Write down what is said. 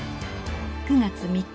９月３日。